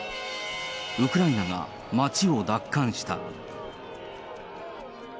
ウクライナが街を奪還した。